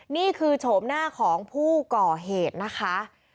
โฉมหน้าของผู้ก่อเหตุนะคะ